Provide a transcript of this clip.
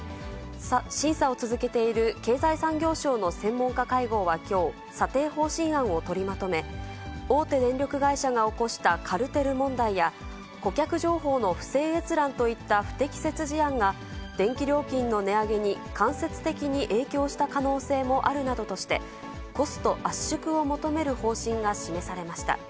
審査を続けている経済産業省の専門家会合はきょう、査定方針案を取りまとめ、大手電力会社が起こしたカルテル問題や、顧客情報の不正閲覧といった不適切事案が、電気料金の値上げに間接的に影響した可能性もあるなどとして、コスト圧縮を求める方針が示されました。